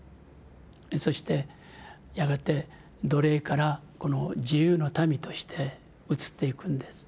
そしてやがて奴隷から自由の民として移っていくんです。